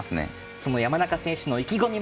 その山中選手の意気込み